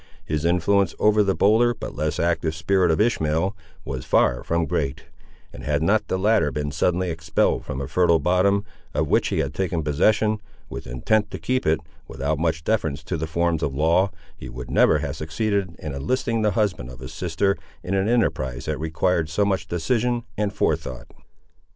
His influence over the bolder, but less active, spirit of Ishmael was far from great, and had not the latter been suddenly expelled from a fertile bottom, of which he had taken possession, with intent to keep it, without much deference to the forms of law, he would never have succeeded in enlisting the husband of his sister in an enterprise that required so much decision and forethought.